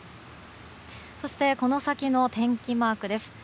そして、この先の天気マークです。